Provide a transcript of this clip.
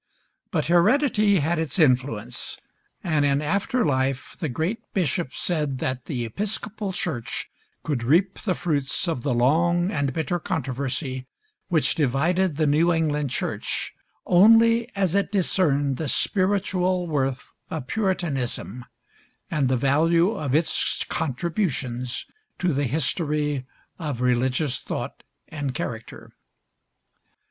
But heredity had its influence, and in after life the great Bishop said that the Episcopal church could reap the fruits of the long and bitter controversy which divided the New England church, only as it discerned the spiritual worth of Puritanism, and the value of its contributions to the history of religious thought and character.